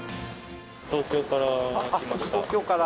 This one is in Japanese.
東京から来ました。